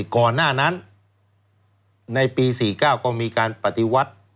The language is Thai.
ก่อนหน้านั้นในปี๔๙ก็มีการปฏิวัติ